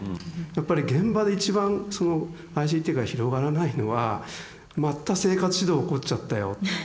やっぱり現場で一番そのＩＣＴが広がらないのはまた生活指導起こっちゃったよ。